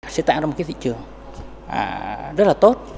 sẽ tạo ra một cái thị trường rất là tốt